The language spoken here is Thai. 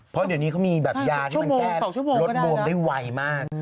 เพราะเดี๋ยวนี้เขามีแบบยาที่มันแก้ลดบวมได้ไวมาก